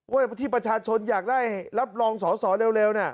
ว่าที่ประชาชนอยากได้รับรองสอสอเร็วน่ะ